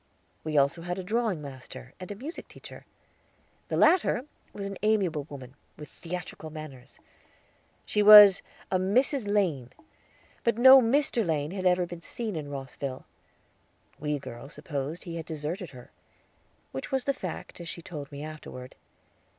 We also had a drawing master and a music teacher. The latter was an amiable woman, with theatrical manners. She was a Mrs. Lane; but no Mr. Lane had ever been seen in Rosville. We girls supposed he had deserted her, which was the fact, as she told me afterward.